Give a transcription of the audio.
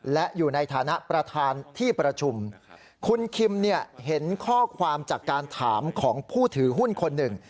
และอยู่ในฐานะประธานที่ประชุมคุณคิมเนี่ยเห็นข้อความจากการถามของผู้ถือหุ้นคนหนึ่ง